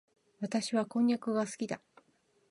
私はこんにゃくが好きだ。